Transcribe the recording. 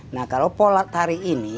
nah kalau pola tari ini